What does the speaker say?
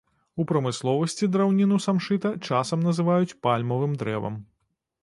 У прамысловасці драўніну самшыта часам называюць пальмавым дрэвам.